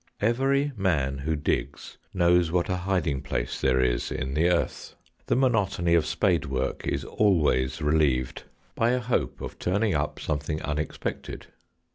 Every man who digs knows what a hiding place there is in the earth. The monotony of spade work is always relieved by a hope of 107 &HOST TAI/ES. turning up something unexpected.